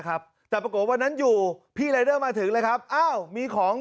เก็บเงินปลายทาง๙๑